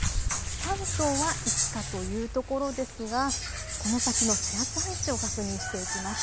関東はいつかというところですがこの先の気圧配置を確認していきます。